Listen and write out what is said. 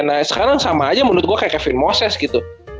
nah sekarang sama aja menurut gue kayak kevin moses gitu